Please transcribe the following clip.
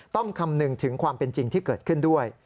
คำนึงถึงความเป็นจริงที่เกิดขึ้นด้วย